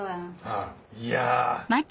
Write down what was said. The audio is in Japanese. いや。